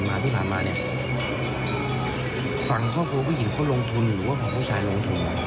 คือเริ่มแรกเลยก็คือฝั่งแม่ของผู้หญิงพ่อของผู้หญิงเป็นคนลงทุนมาก่อน